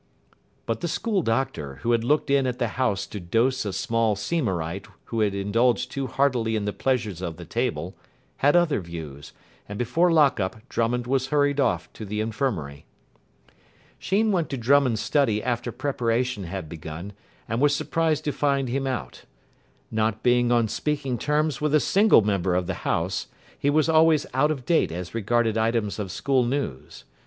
But the school doctor, who had looked in at the house to dose a small Seymourite who had indulged too heartily in the pleasures of the table, had other views, and before lock up Drummond was hurried off to the infirmary. Sheen went to Drummond's study after preparation had begun, and was surprised to find him out. Not being on speaking terms with a single member of the house, he was always out of date as regarded items of school news.